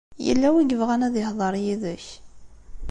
Yella win i yebɣan ad ihḍeṛ yid-k.